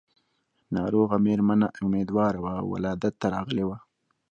ناروغه مېرمنه اميدواره وه او ولادت ته راغلې وه.